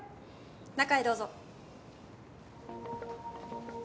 中へどうぞ。